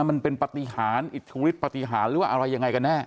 มันเป็นปฏิหารอิทธิฤทธปฏิหารหรือว่าอะไรยังไงกันแน่